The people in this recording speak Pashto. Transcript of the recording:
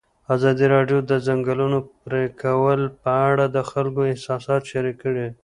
ازادي راډیو د د ځنګلونو پرېکول په اړه د خلکو احساسات شریک کړي.